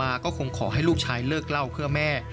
พ่อชายกลับมาก็คงขอให้ลูกชายเลิกเล่าเพื่อแม่